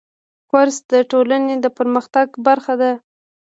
کورس د ټولنې د پرمختګ برخه ده.